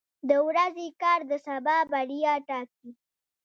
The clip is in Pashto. • د ورځې کار د سبا بریا ټاکي.